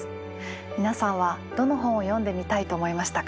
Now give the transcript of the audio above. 皆さんはどの本を読んでみたいと思いましたか？